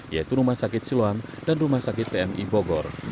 yaitu rumah sakit siloam dan rumah sakit pmi bogor